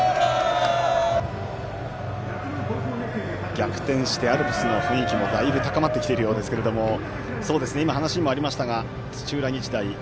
逆転してアルプスの雰囲気も、だいぶ高まってきているようですが今、話にもありましたが土浦日大